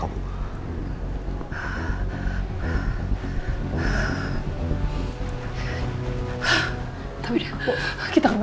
anding sekarang sudah sudah ditahani fair